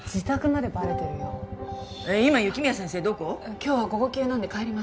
今日は午後休なんで帰りました。